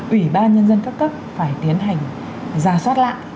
ủy ban nhân dân cấp cấp phải tiến hành gia soát lại